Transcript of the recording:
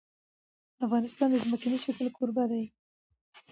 افغانستان د ځمکنی شکل کوربه دی.